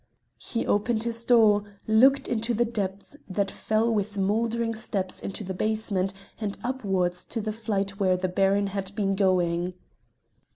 He opened his door, looked into the depths that fell with mouldering steps into the basement and upwards to the flight where the Baron had been going.